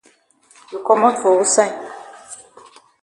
You komot for wusaid?